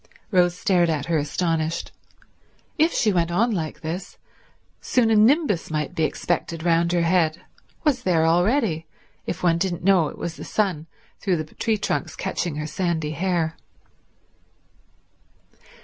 Rose stared at her astonished. If she went on like this, soon a nimbus might be expected round her head, was there already, if one didn't know it was the sun through the tree trunks catching her sandy hair.